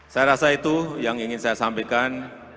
saya rasa itu yang ingin saya sampaikan